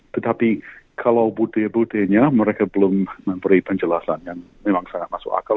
tetapi kalau bukti buktinya mereka belum memberi penjelasan yang memang sangat masuk akal